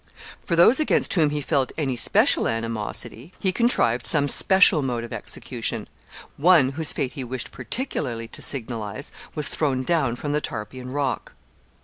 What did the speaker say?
For those against whom he felt any special animosity, he contrived some special mode of execution. One, whose fate he wished particularly to signalize, was thrown down from the Tarpeian Rock. [Sidenote: The Tarpeian Rock.